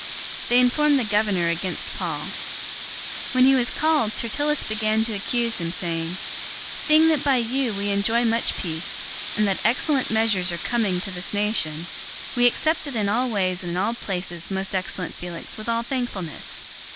They informed the governor against Paul. 024:002 When he was called, Tertullus began to accuse him, saying, "Seeing that by you we enjoy much peace, and that excellent measures are coming to this nation, 024:003 we accept it in all ways and in all places, most excellent Felix, with all thankfulness.